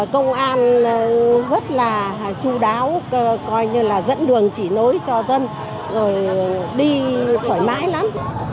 công an rất chú đáo dẫn đường chỉ nối cho dân đi thoải mái lắm